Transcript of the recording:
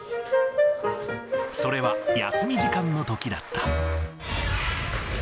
それは休み時間のときだった。